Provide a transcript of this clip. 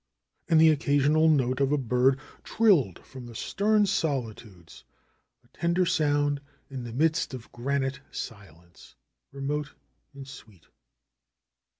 And the occasional note of a bird trilled from the stern solitudes, a tender sound in the midst of granite silence, remote and sweet.